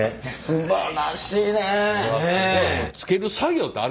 すばらしい。